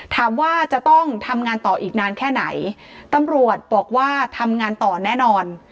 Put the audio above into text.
ถามว่าจะต้องทำงานต่ออีกนานแค่ไหนตำรวจบอกว่าทำงานต่อแน่นอน